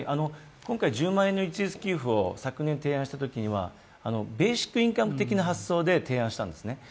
今回、１０万円の一律給付を昨年提案したときにはベーシックインカム的な発想で提案したんですね、